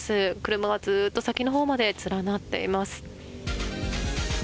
車はずっと先のほうまで連なっています。